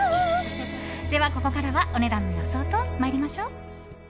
では、ここからはお値段の予想と参りましょう。